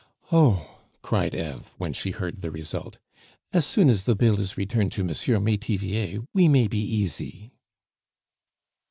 "Oh!" cried Eve when she heard the result, "as soon as the bill is returned to M. Metivier, we may be easy."